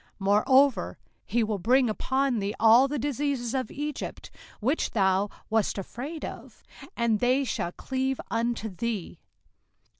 05:028:060 Moreover he will bring upon thee all the diseases of Egypt, which thou wast afraid of; and they shall cleave unto thee.